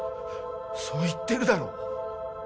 そう言ってるだろ